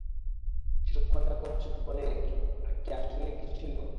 সেসব ক্ষণে সুখ বলে কি আসলেই কিছু ছিল?